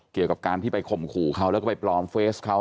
เกี่ยวกับการที่ไปข่มขู่เขาแล้วก็ไปปลอมเฟสเขา